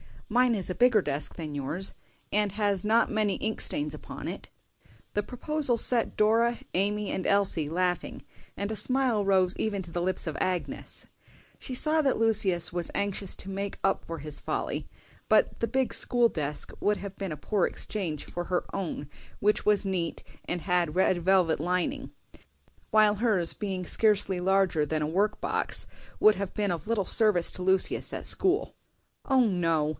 Mine is a bigger desk than yours, and has not many ink stains upon it." The proposal set Dora, Amy, and Elsie laughing, and a smile rose even to the lips of Agnes. She saw that Lucius was anxious to make up for his folly; but the big school desk would have been a poor exchange for her own, which was neat and had red velvet lining; while hers, being scarcely larger than a work box, would have been of little service to Lucius at school. "O no!